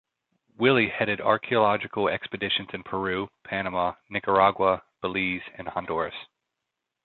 Willey headed archaeological expeditions in Peru, Panama, Nicaragua, Belize and Honduras.